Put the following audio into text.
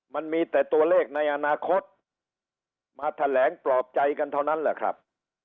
มันมีแต่ตัวเลขในอนาคตมาแถลงปลอบใจกันเท่านั้นแหละครับ